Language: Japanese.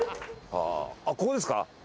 あっここですか？